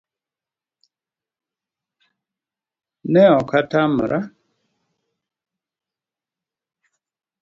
Ne okotamore